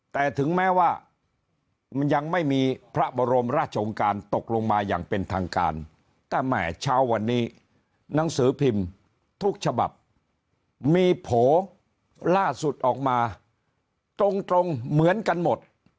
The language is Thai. แต่ถึงแม้ว่ามันยังไม่มีพระบรมราชองค์การตกลงมาอย่างเป็นทางการแต่แหมเช้าวันนี้หนังสือพิมพ์ทุกฉบับมีโผล่ล่าสุดออกมาตรงเหมือนกันหมด